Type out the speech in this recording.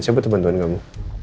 saya bantu bantu kamu